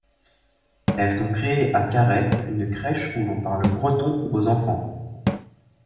Elles ont créé à Carhaix une crèche où l’on parle breton aux enfants.